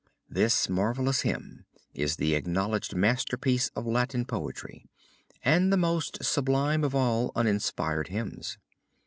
"This marvelous hymn is the acknowledged masterpiece of Latin poetry, and the most sublime of all uninspired hymns.